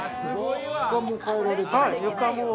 床も変えられて？